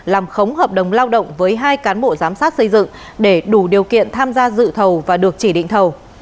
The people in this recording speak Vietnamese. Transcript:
làm khống hợp đồng lao động với hai cán bộ giám sát xây dựng để đủ điều kiện tham gia dự thầu và được chỉ định thầu